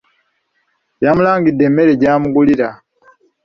Yamulangidde emmere gy'amugulra.